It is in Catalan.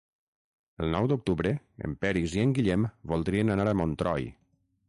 El nou d'octubre en Peris i en Guillem voldrien anar a Montroi.